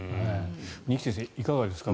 二木先生、いかがですか？